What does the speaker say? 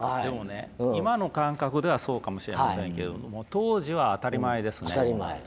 でもね今の感覚ではそうかもしれませんけれども当時は当たり前ですね。